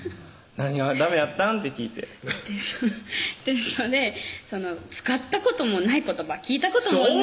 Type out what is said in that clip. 「何がダメやったん？」って聞いてテストで使ったこともない言葉聞いたこともない